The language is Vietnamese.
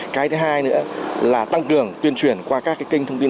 cái thứ hai nữa là tăng cường tuyên truyền qua các kênh thông tin